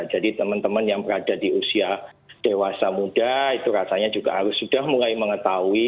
jadi teman teman yang berada di usia dewasa muda itu rasanya juga harus sudah mulai mengetahui